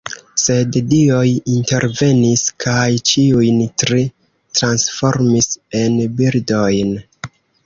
Sed dioj intervenis kaj ĉiujn tri transformis en birdojn.